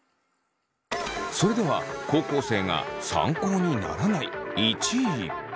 それでは高校生が参考にならない１位。